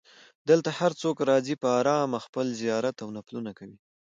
دلته هر څوک راځي په ارامه خپل زیارت او نفلونه کوي.